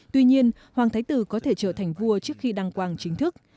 tuy nhiên hoàng thái tử có thể trở thành vua trước khi đăng quang chính thức